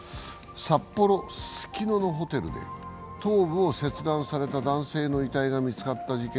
札幌・ススキノのホテルで頭部を切断された男性の遺体が見つかった事件。